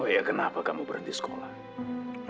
oh iya kenapa kamu berhenti sekolah